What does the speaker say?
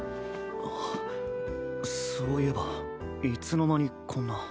あっそういえばいつの間にこんな。